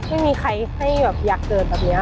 ไม่มีใครให้อยากเจอแบบนี้ค่ะ